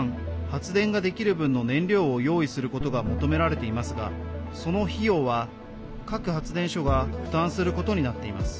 発電ができる分の燃料を用意することが求められていますがその費用は各発電所が負担することになっています。